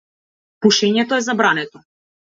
Пушењето е забрането.